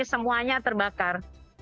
jadi semuanya terbakar